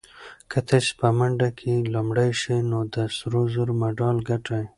که تاسي په منډه کې لومړی شئ نو د سرو زرو مډال ګټئ.